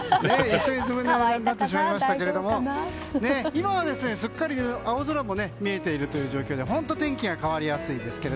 一緒にずぶぬれになってしまいましたけど今はすっかり青空も見えている状況で本当に天気が変わりやすいです。